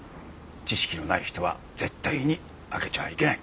知識のない人は絶対に開けちゃいけない。